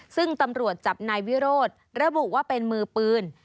ซึ่งตำรวจจับนายวิโรธระบุว่าเป็นมือปืน